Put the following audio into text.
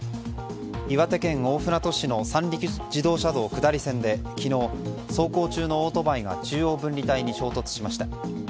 岩手県大船渡市の三陸自動車道下り線で昨日走行中のオートバイが中央分離帯に衝突しました。